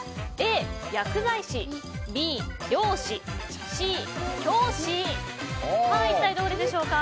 Ａ、薬剤師Ｂ、漁師Ｃ、教師一体、どれでしょうか。